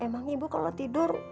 emang ibu kalau tidur